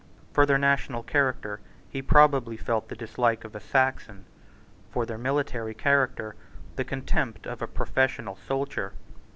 For their national character he probably felt the dislike of a Saxon, for their military character the contempt of a professional soldier.